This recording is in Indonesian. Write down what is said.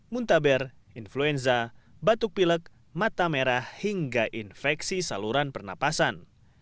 muntaber influenza batuk pilek mata merah hingga infeksi saluran pernapasan